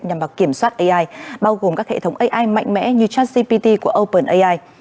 nhằm vào kiểm soát ai bao gồm các hệ thống ai mạnh mẽ như jcpt của openai